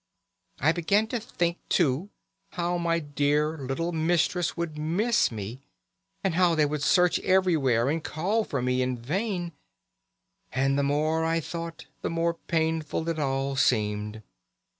I began to think too how my dear little mistress would miss me, and how they would search everywhere and call for me in vain, and the more I thought the more painful it all seemed.